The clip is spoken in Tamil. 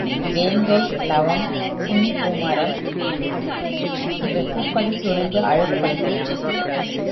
வேங்கை, இலவம், புன்குமரம் இவை பூக்களைச் சொரிந்து அழகுபடுத்தின.